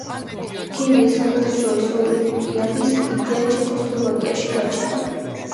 ქიმიის საერთაშორისო ოლიმპიადის იდეა ჩეხოსლოვაკიაში გაჩნდა.